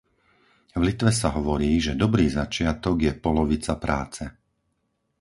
V Litve sa hovorí, že dobrý začiatok je polovica práce.